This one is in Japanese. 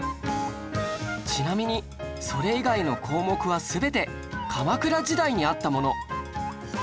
ちなみにそれ以外の項目は全て鎌倉時代にあったもの